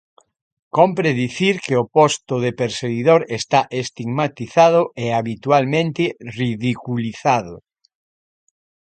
Cómpre dicir que o posto de perseguidor está estigmatizado e habitualmente ridiculizado.